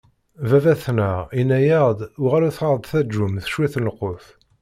Baba-tneɣ, inna-yaɣ-d: Uɣalet ad ɣ-d-taǧwem cwiṭ n lqut.